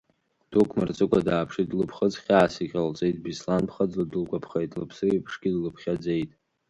Дук мырҵыкәа дааԥшит, лыԥхыӡ хьаас иҟалҵеит, Беслан ԥхыӡла дылгәаԥхеит, лыԥсы еиԥшгьы длыԥхьаӡеит.